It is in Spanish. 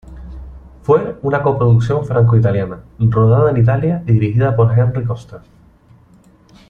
Fue una coproducción franco-italiana, rodada en Italia y dirigida por Henry Koster.